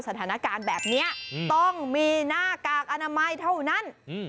สถานการณ์แบบนี้ต้องมีหน้ากากอนามัยเท่านั้น